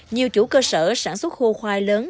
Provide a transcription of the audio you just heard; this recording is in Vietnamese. nhiều chủ cơ sở sản xuất khô khoai lớn